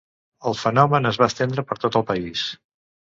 El fenomen es va estendre per tot el país.